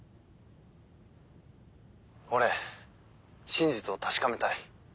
俺真実を確かめたい。